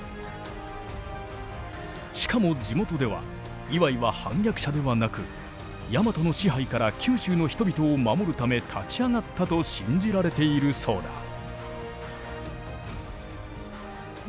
しかも地元では磐井は反逆者ではなくヤマトの支配から九州の人々を守るため立ち上がったと信じられているそうだ。